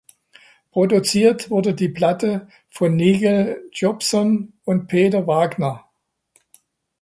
Produziert wurde die Platte von Nigel Jobson und Peter Wagner.